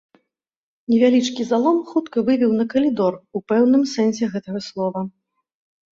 Невялічкі залом хутка вывеў на калідор у пэўным сэнсе гэтага слова.